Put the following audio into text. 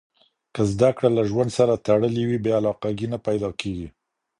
که زده کړه له ژوند سره تړلې وي، بې علاقګي نه پیدا کېږي.